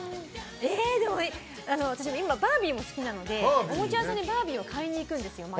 でも今、私バービーも好きなのでおもちゃ屋さんにバービーを買いに行くんですよ。